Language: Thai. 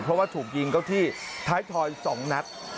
เพราะว่าถูกยิงเข้าที่ท้ายทอย๒นัด